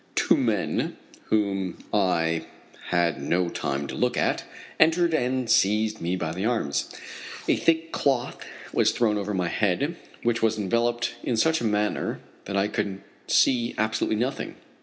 Two men, whom I had no time to look at, entered and seized me by the arms. A thick cloth was thrown over my head, which was enveloped in such a manner that I could see absolutely nothing.